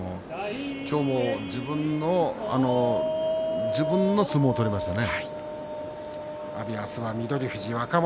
今日も自分の相撲を取りましたよね。